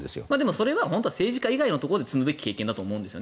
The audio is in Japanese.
それは政治家以外のところで積むべき経験だと思うんです。